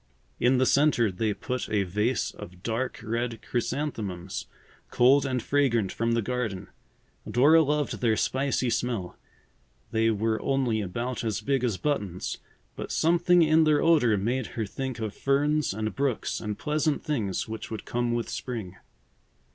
In the centre they put a vase of dark red chrysanthemums, cold and fragrant from the garden. Dora loved their spicy smell. They were only about as big as buttons, but something in their odor made her think of ferns and brooks and pleasant things which would come with spring.